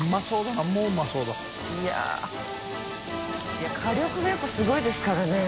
い火力がやっぱすごいですからね。